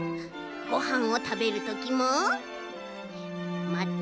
ごはんをたべるときもまて。